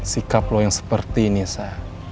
sikap lo yang seperti ini saya